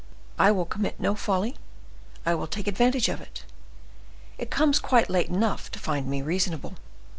I will commit no folly, I will take advantage of it; it comes quite late enough to find me reasonable."